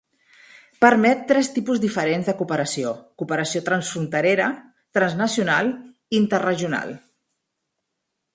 Permet tres tipus diferents de cooperació: cooperació transfronterera, transnacional i interregional.